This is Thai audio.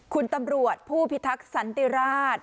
คุณตำรวจผู้พิทักษ์สันติราช